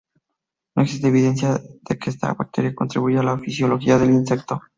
No existe evidencia de que esta bacteria contribuya a la fisiología del insecto.